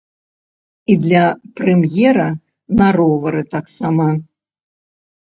І для прэм'ера на ровары таксама.